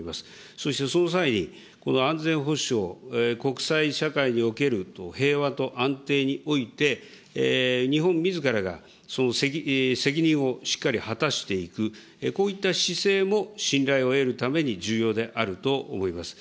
そしてその際に、この安全保障、国際社会における平和と安定において、日本みずからがその責任をしっかり果たしていく、こういった姿勢も信頼を得るために重要であると思います。